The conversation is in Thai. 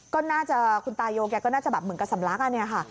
ก็น่าจะคุณตายโยแกก็น่าจะแบบเหมือนกับสำลักอันนี้ค่ะ